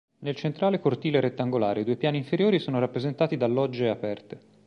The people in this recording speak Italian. Nel centrale cortile rettangolare i due piani inferiori sono rappresentati da logge aperte.